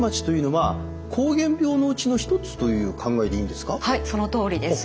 はいそのとおりです。